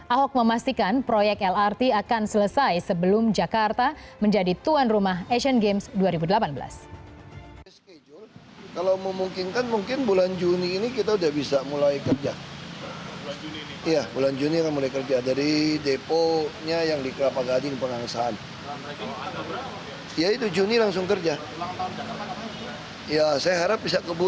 ahok memastikan proyek lrt akan selesai sebelum jakarta menjadi tuan rumah asian games dua ribu delapan belas